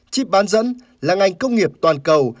chip bán dẫn là ngành công nghiệp toàn cầu